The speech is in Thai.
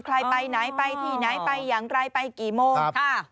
ใครไปไหนไปที่ไหนไปอย่างไรไปกี่โมงค่ะ